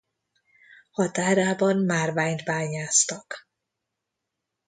Határában márványt bányásztak.